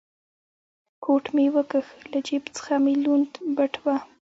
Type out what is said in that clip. کوټ مې و کښ، له جېب څخه مې لوند بټوه.